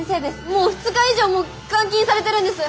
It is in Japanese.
もう２日以上も監禁されてるんです！